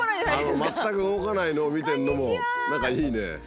全く動かないのを見てるのも何かいいね。